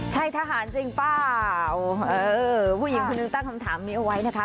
ใช่ทหารจริงเปล่าเออผู้หญิงคนหนึ่งตั้งคำถามนี้เอาไว้นะคะ